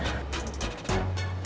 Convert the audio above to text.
ya gak jadilah